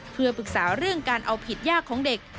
เพื่อปรึกษาเรื่องการเอาผิดย่าของเด็ก